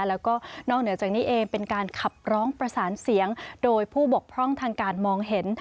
แล้วก็นอกเหนือจากนี้เองเป็นการขับร้องประสานเสียงโดยผู้บกพร่องทางการมองเห็น